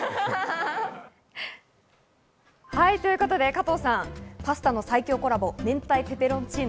加藤さん、パスタの最強コラボ明太ペペロンチーノ